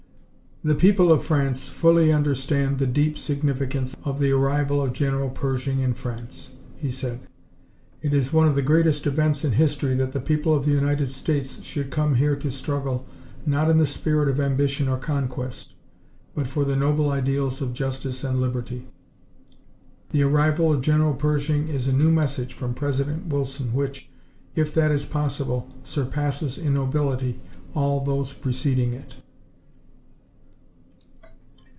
"The people of France fully understand the deep significance of the arrival of General Pershing in France," he said. "It is one of the greatest events in history that the people of the United States should come here to struggle, not in the spirit of ambition or conquest, but for the noble ideals of justice and liberty. The arrival of General Pershing is a new message from President Wilson which, if that is possible, surpasses in nobility all those preceding it."